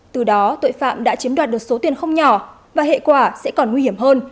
từ đó tội phạm đã chiếm đoạt được số tiền không nhỏ và hệ quả sẽ còn nguy hiểm hơn